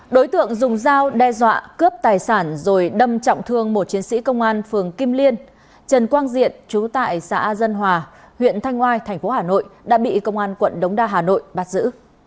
đối tượng dùng dao đe dọa cướp tài sản rồi đâm trọng thương một chiến sĩ công an phường kim liên trần quang diện trú tại xã dân hòa huyện thanh ngoai thành phố hà nội đã bị công an quận đống đa hà nội bắt giữ